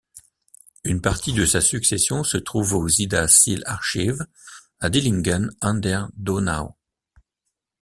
Une partie de sa succession se trouve aux Ida-Seele-Archiv à Dillingen an der Donau.